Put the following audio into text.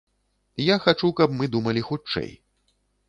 Я хачу, каб мы думалі хутчэй.